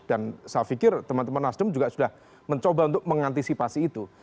dan saya pikir teman teman nasdem juga sudah mencoba untuk mengantisipasi itu